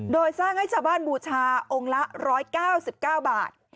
โดยสร้างให้ชาวบ้านบูชาองค์ละ๑๙๙บาท